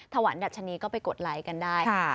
ถวันอันดับชนีก็ไปกดไลก์กันได้